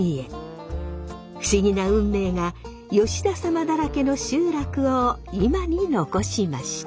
不思議な運命が吉田サマだらけの集落を今に残しました。